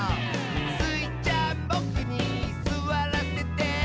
「スイちゃんボクにすわらせて？」